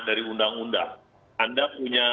dari undang undang anda punya